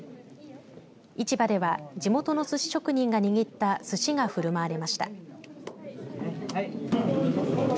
市場では地元のすし職人が握ったすしがふるまわれました。